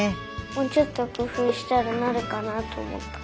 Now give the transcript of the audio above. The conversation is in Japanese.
もうちょっとくふうしたらなるかなあとおもった。